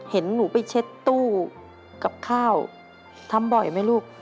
เห็นหนูไปเช็ดตู้กับข้าวทำบ่อยไหมลูก